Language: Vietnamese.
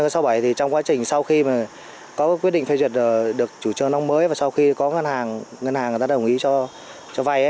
sau khi có quyết định phê duyệt được chủ trường nông mới và sau khi có ngân hàng đồng ý cho vay